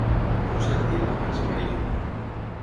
Com es retira la Verge Maria?